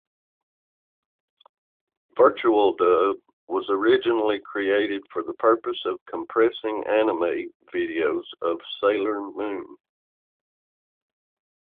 VirtualDub was originally created for the purpose of compressing anime videos of "Sailor Moon".